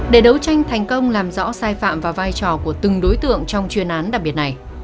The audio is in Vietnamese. để đấu tranh thành công làm rõ sai phạm và vai trò của từng đối tượng trong chuyên án đặc biệt này